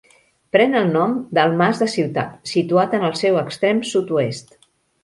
Pren el nom del Mas de Ciutat, situat en el seu extrem sud-oest.